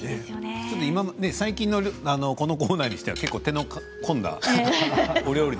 最近のこのコーナーにしては結構手の凝ったお料理。